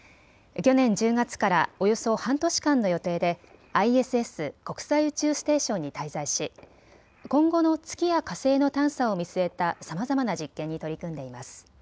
去年１０月からおよそ半年間の予定でＩＳＳ・国際宇宙ステーションに滞在し今後の月や火星の探査を見据えたさまざまな実験に取り組んでいます。